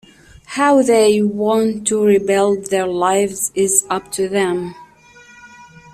How they want to rebuild their lives is up to them.